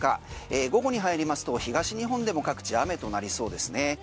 午後に入りますと東日本でも各地雨となりそうですね